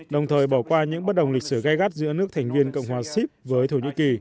đồng thời bỏ qua những bất đồng lịch sử gai gắt giữa nước thành viên cộng hòa sip với thổ nhĩ kỳ